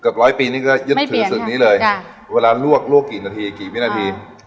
เกือบร้อยปีนี่ก็ยึดถือสุดนี้เลยไม่เปลี่ยนค่ะจ้ะเวลาลวกลวกกี่นาทีกี่วินาที